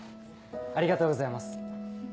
ありがとうございます。